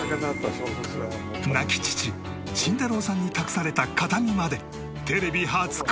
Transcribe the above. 亡き父慎太郎さんに託された形見までテレビ初公開！